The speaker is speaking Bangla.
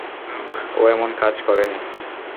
ও এমন কাজ করেনি।